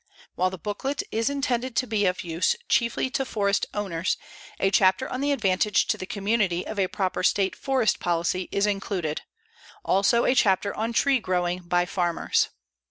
While the booklet is intended to be of use chiefly to forest owners, a chapter on the advantage to the community of a proper state forest policy is included, also a chapter on tree growing by farmers.